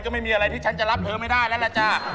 ก็ไม่มีอะไรที่ฉันจะรับเธอไม่ได้แล้วล่ะจ้า